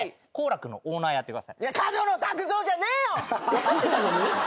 分かってたのに？